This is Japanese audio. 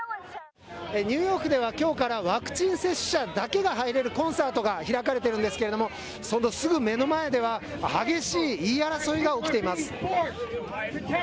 ニューヨークではきょうからワクチン接種者だけが入れるコンサートが開かれてるんですけれども、そのすぐ目の前では、激しい言い争いが起きています。